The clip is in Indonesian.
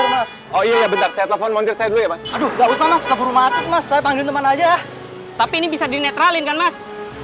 mas mas saya panggil teman aja tapi ini bisa dinetralin kan mas